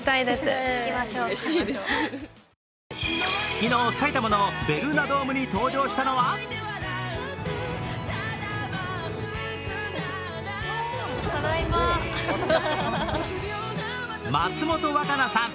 昨日、埼玉のベルーナドームに登場したのは松本若菜さん。